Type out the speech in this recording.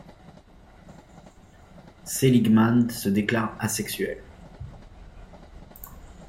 Seligman se déclare asexuel.